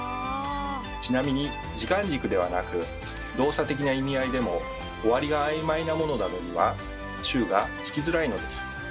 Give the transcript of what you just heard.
ちなみに時間軸ではなく動作的な意味合いでも終わりがあいまいなものなどには「中」がつきづらいのです。